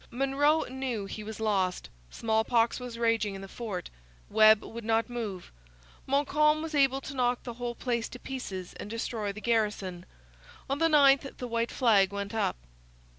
Monro knew he was lost. Smallpox was raging in the fort. Webb would not move. Montcalm was able to knock the whole place to pieces and destroy the garrison. On the 9th the white flag went up.